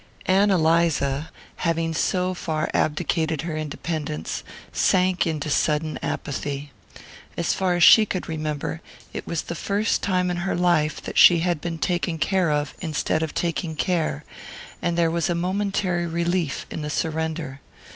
Ann Eliza, having so far abdicated her independence, sank into sudden apathy. As far as she could remember, it was the first time in her life that she had been taken care of instead of taking care, and there was a momentary relief in the surrender.